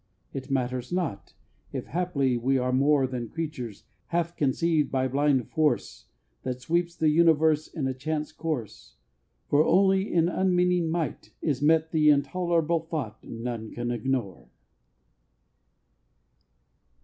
It matters not, if haply we are more Than creatures half conceived by a blind force That sweeps the universe in a chance course: For only in Unmeaning Might is met The intolerable thought none can ignore.